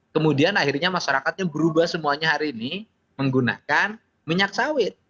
kemudian akhirnya masyarakatnya berubah semuanya hari ini menggunakan minyak sawit